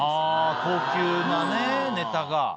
高級なねネタが。